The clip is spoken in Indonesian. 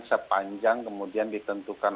sepanjang kemudian ditentukan